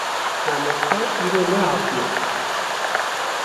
Mamoste îro nehatiye.